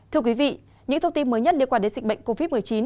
thưa quý vị những thông tin mới nhất liên quan đến dịch bệnh covid một mươi chín